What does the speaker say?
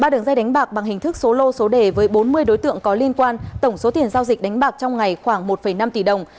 ba đường dây đánh bạc bằng hình thức số lô số đề với bốn mươi đối tượng có liên quan tổng số tiền giao dịch đánh bạc trong ngày khoảng một năm tỷ đồng